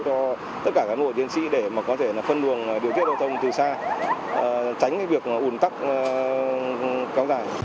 cho tất cả các nguồn chiến sĩ để có thể phân luồng điều tiết giao thông từ xa tránh việc ủn tắc cao dài